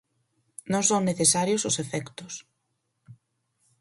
Non son necesarios os efectos.